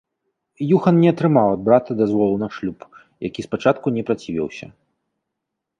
Юхан не атрымаў ад брата дазволу на шлюб, які спачатку не працівіўся.